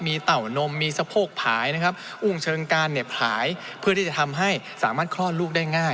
มีเต่านมมีสะโพกผายนะครับอุ้งเชิงการเนี่ยผายเพื่อที่จะทำให้สามารถคลอดลูกได้ง่าย